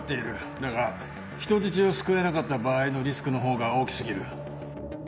だが人質を救えなかった場合のリスクの方が大き過ぎる。